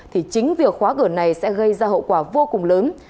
thì chính việc khóa cửa này sẽ gây ra hậu quả vô cùng lớn